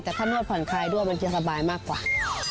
แต่ถ้านวดผ่อนคลายด้วยมันจะสบายมากกว่า